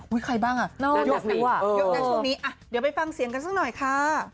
ใครบ้างอ่ะเยอะนะช่วงนี้อ่ะเดี๋ยวไปฟังเสียงกันสักหน่อยค่ะ